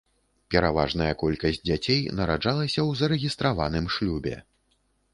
Пераважная колькасць дзяцей нараджалася ў зарэгістраваным шлюбе.